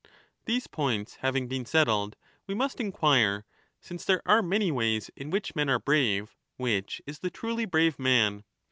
These points having been settled, we must inquire, since there are many ways in which men are brave, which is the truly brave man.